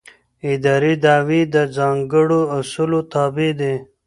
اداري دعوې د ځانګړو اصولو تابع دي.